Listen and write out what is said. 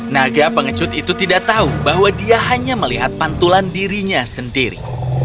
naga pengecut itu tidak tahu bahwa dia hanya melihat pantulan dirinya sendiri